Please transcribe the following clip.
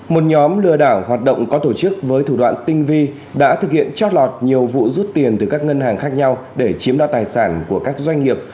một nhóm lừa đảo hoạt động có tổ chức với thủ đoạn tinh vi đã thực hiện trót lọt nhiều vụ rút tiền từ các ngân hàng khác nhau để chiếm đoạt tài sản của các doanh nghiệp